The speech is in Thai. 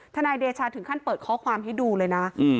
นายเดชาถึงขั้นเปิดข้อความให้ดูเลยนะ